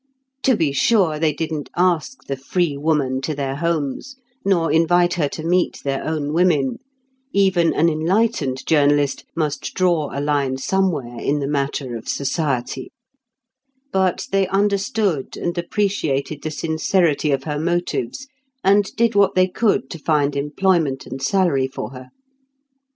To be sure, they didn't ask the free woman to their homes, nor invite her to meet their own women: even an enlightened journalist must draw a line somewhere in the matter of society; but they understood and appreciated the sincerity of her motives, and did what they could to find employment and salary for her.